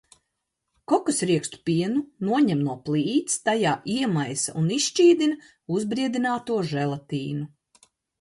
Kokosriekstu pienu noņem no plīts, tajā iemaisa un izšķīdina uzbriedināto želatīnu.